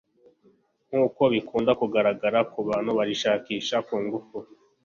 nk'uko bikundakugaragara ku bantu barishakisha ku ngufu